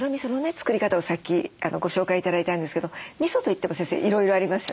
作り方をさっきご紹介頂いたんですけどみそといっても先生いろいろありますよね？